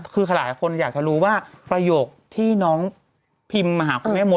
คือหลายคนอยากจะรู้ว่าประโยคที่น้องพิมพ์มาหาคุณแม่มด